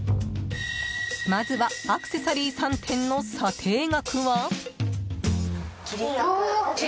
まずはアクセサリー３点の査定額は？